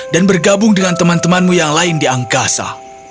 dan bergabung dengan teman temanmu yang lain di angkasa